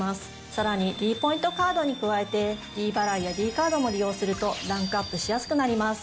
さらにｄポイントカードに加えてｄ払いやｄカードも利用するとランクアップしやすくなります。